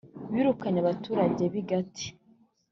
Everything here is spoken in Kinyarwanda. birukanye abaturage b i Gati